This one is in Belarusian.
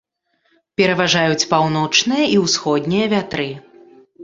Пераважаюць паўночныя і ўсходнія вятры.